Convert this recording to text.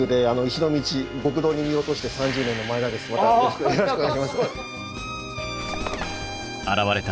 またよろしくお願いします。